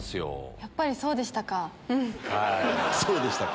やっぱりそうでしたか。